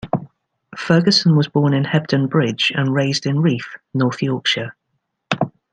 Ferguson was born in Hebden Bridge and raised in Reeth, North Yorkshire.